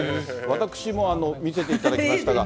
私も見せていただきましたが、